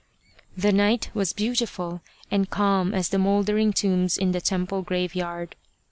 The night was beautiful, and calm as the mouldering tombs in the temple graveyard.